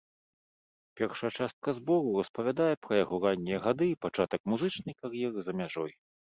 Першая частка збору распавядае пра яго раннія гады і пачатак музычнай кар'еры за мяжой.